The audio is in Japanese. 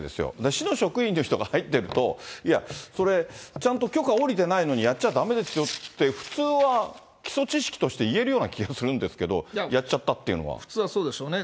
市の職員の人が入ってると、いや、それ、ちゃんと許可下りてないのにやっちゃだめですよって、普通は基礎知識として言えるような気がするんですけど、普通はそうでしょうね。